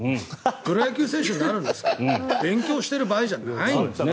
プロ野球選手になるんですから勉強してる場合じゃないんです。